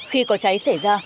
khi có cháy xảy ra